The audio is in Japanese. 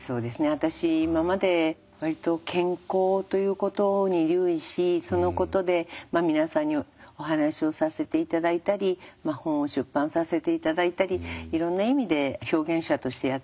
私今まで割と健康ということに留意しそのことで皆さんにお話をさせて頂いたり本を出版させて頂いたりいろんな意味で表現者としてやってきました。